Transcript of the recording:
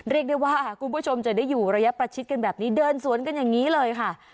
เรียกได้ว่าคุณผู้ชมจะได้อยู่ระยะประชิดกันแบบนี้เดินสวนกันอย่างนี้เลยค่ะ